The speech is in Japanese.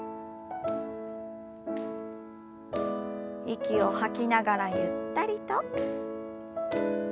息を吐きながらゆったりと。